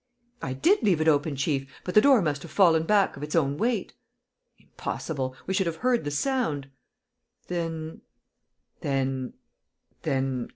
"I did leave it open, chief, but the door must have fallen back of its own weight." "Impossible! We should have heard the sound." "Then? ..." "Then ... then